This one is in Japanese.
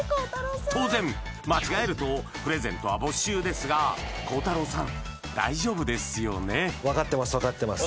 当然間違えるとプレゼントは没収ですが孝太郎さん大丈夫ですよね？